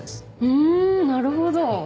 んなるほど。